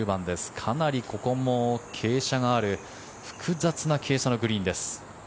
かなりここも傾斜がある複雑な傾斜のグリーンです。